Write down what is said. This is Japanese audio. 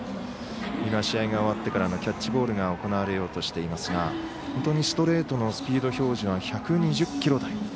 今、試合が終わってからのキャッチボールが行われようとしていますが本当にストレートのスピード表示が１２０キロ台。